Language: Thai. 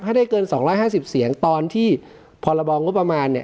ถ้าเกิน๒๕๐เสียงตอนที่พรประมาณ